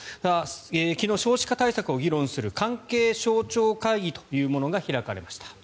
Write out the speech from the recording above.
昨日、少子化対策を議論する関係省庁会議というものが開かれました。